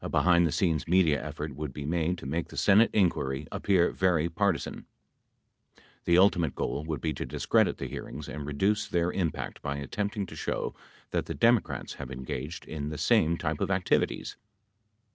A behind the scenes media effort would be made to make the Senate inquiry appear very partisan. The ultimate goal would be to discredit the hearings and reduce their im pact by attempting to show that the Democrats have engaged in the same type of activities.